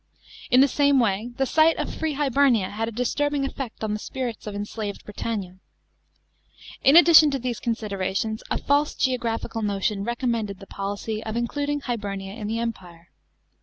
In the same way, the sight of free Hibernia had a disturbing effect on the sp'rits of enslaved Britannia. In addition to these considerations, a false geographical notion recommended the policy of including Hibernia in the Empire.